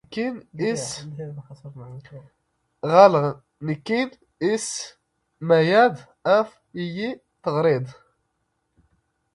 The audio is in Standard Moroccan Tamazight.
ⵖⴰⵍⵖ ⵏⴽⴽⵉ ⵉⵙ ⵎⴰⵢⴰⴷ ⴰⴼ ⵉⵢⵉ ⵜⵖⵔⵉⴷ.